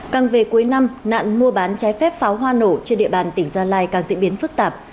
càng về cuối năm nạn mua bán trái phép pháo hoa nổ trên địa bàn tỉnh gia lai càng diễn biến phức tạp